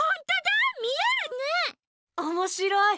おもしろい！